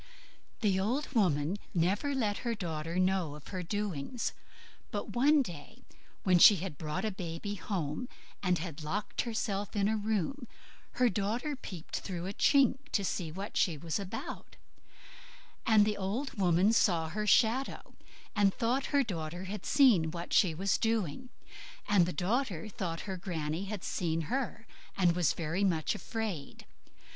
The old woman never let her daughter know of her doings; but one day when she had brought a baby home, and had locked herself in a room, her daughter peeped through a chink to see what she was about, and the old woman saw her shadow, and thought her daughter had seen what she was doing, and the daughter thought her granny had seen her, and was very much afraid.